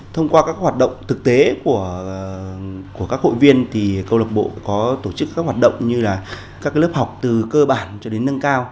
thông qua các hoạt động thực tế của các hội viên thì câu lạc bộ có tổ chức các hoạt động như là các lớp học từ cơ bản cho đến nâng cao